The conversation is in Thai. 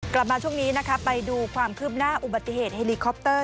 กลับมาช่วงนี้นะคะไปดูความคืบหน้าอุบัติเหตุเฮลิคอปเตอร์